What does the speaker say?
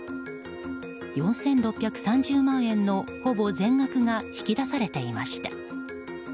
４６３０万円のほぼ全額が引き出されていました。